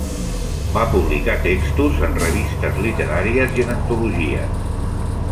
Va publicar textos en revistes literàries i en antologies.